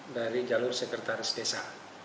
dari jalur sekretaris desa